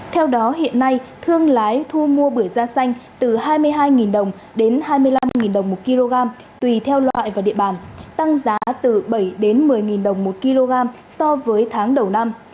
theo đó hiện nay thương lái thu mua bưởi da xanh từ hai mươi hai đồng đến hai mươi năm đồng một kg tùy theo loại và địa bàn tăng giá từ bảy đến một mươi đồng một kg so với tháng đầu năm